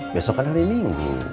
besok kan hari minggu